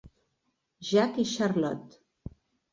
Jack i Charlotte.